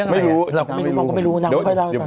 ไม่รู้เราก็ไม่รู้น้องไม่ค่อยเล่าให้ฟัง